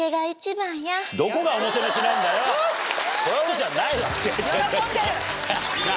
じゃないわ。